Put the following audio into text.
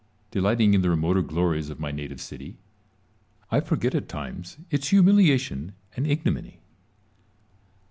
Delighting in the remoter glories of my native city, I forget at times its humiliation and ignominy.